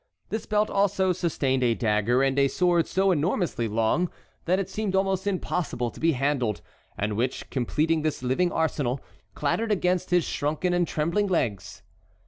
This belt also sustained a dagger and a sword so enormously long that it seemed almost impossible to be handled, and which, completing this living arsenal, clattered against his shrunken and trembling legs.